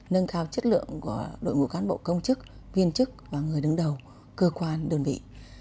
nâng cao chất lượng của đội ngũ cán bộ công chức viên chức và người đứng đầu cơ quan đơn vị